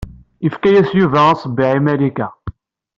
Yefka-yas Yuba aṣebbiɛ i Malika.